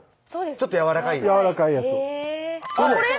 ちょっとやわらかいあっこれ？